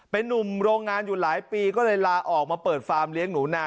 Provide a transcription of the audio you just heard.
เป็นนุ่มโรงงานอยู่หลายปีก็เลยลาออกมาเปิดฟาร์มเลี้ยงหนูนา